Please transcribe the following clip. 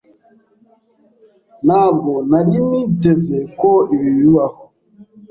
Ntabwo nari niteze ko ibi bibaho.